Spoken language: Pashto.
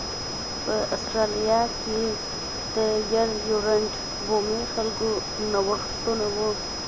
په اسټرالیا کې د یر یورونټ بومي خلکو نوښتونه و